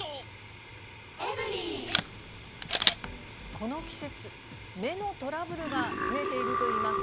この季節、目のトラブルが増えているといいます。